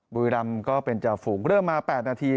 บุรีรำก็เป็นจ่าฝูงเริ่มมา๘นาที